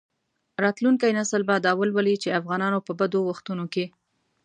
راتلونکي نسلونه به دا ولولي چې افغانانو په بدو وختونو کې.